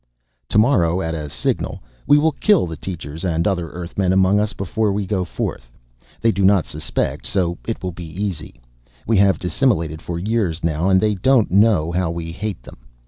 Tomorrow, at a signal, we will kill the teachers and the other Earthmen among us before we go forth. They do not suspect, so it will be easy. We have dissimulated for years now, and they do not know how we hate them.